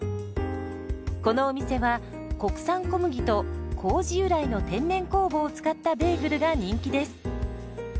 このお店は国産小麦と麹由来の天然酵母を使ったベーグルが人気です。